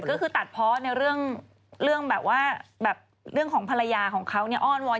ก็คือตัดเพราะในเรื่องแบบว่าแบบเรื่องของภรรยาของเขาเนี่ยอ้อนวอน